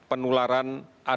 untuk menemukan sumber penularan